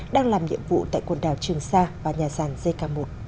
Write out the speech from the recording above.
đang làm nhiệm vụ tại quần đảo trường sa và nhà sàn jk một